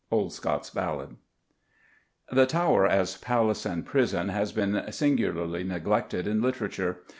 Old Scots Ballad. The Tower as palace and prison has been singularly neglected in literature.